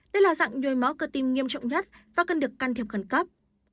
đây là dạng nhồi máu cơ tim nghiêm trọng nhất và cần được can thiệp khẩn cấp